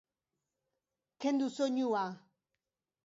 Kendu soinua.